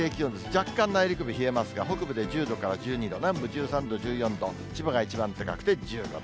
若干内陸部冷えますが、北部で１０度から１２度、南部１３度、１４度、千葉が一番高くて１５度。